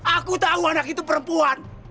aku tahu anak itu perempuan